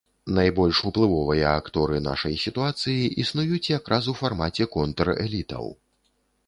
Найбольш уплывовыя акторы нашай сітуацыі існуюць як раз у фармаце контр-элітаў.